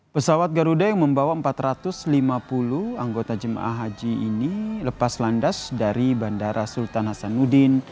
pesawat garuda yang membawa empat ratus lima puluh anggota jemaah haji ini lepas landas dari bandara sultan hasanuddin